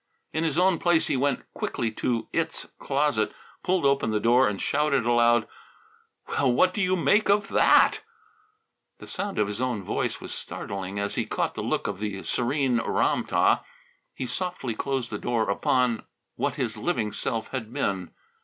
In his own place he went quickly to Its closet, pulled open the door and shouted aloud: "Well, what do you make of that?" The sound of his own voice was startling as he caught the look of the serene Ram tah. He softly closed the door upon what his living self had been.